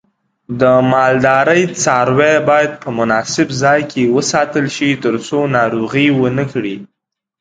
د مالدارۍ څاروی باید په مناسب ځای کې وساتل شي ترڅو ناروغي ونه کړي.